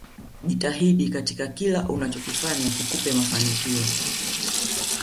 Jitahidi katika kila unachokifanya kikupe mafanikio